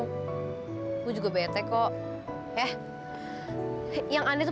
perusahaan yang aneh itu tidak konsisten